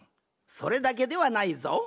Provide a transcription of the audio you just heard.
それだけではないぞ。